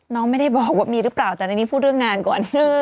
น้องไม่ได้บอกว่ามีหรือเปล่าแต่ในนี้พูดเรื่องงานก่อน